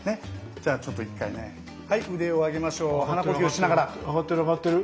じゃあちょっと一回ねはい腕を上げましょう鼻呼吸しながら。上がってる上がってる。